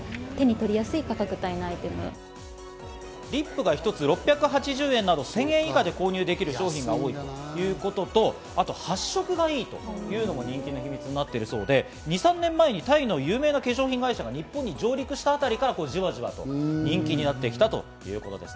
リップが１つ６８０円など１０００円以下で購入できる商品が多いということと、あと発色が良いというのも人気の秘密になっているそうで、２３年前にタイの有名な化粧品会社が日本に上陸したあたりから、じわじわ人気になってきたということです。